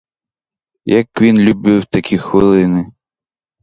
Як він любив такі хвилини!